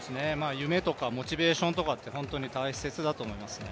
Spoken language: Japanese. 夢とかモチベーションとかって本当に大切だと思いますね。